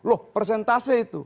oh persentase itu